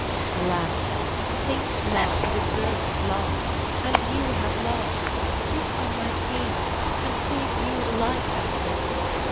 Alas, think love deserveth love, and you have loved; Look on my pains, and see if you the like have proved.